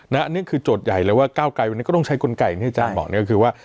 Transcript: อันนี้คือโจทย์ใหญ่เลยว่าก้าวไกรวันนี้ก็ต้องใช้กลไกอย่างที่อาจารย์บอกเนี่ยก็คือว่า